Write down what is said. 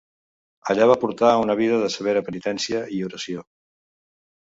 Allà va portar una vida de severa penitència i oració.